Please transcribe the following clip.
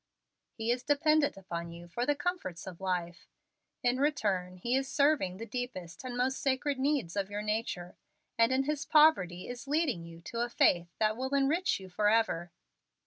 He is dependent upon you for the comforts of life. In return, he is serving the deepest and most sacred needs of your natures, and in his poverty is leading you to a faith that will enrich you forever.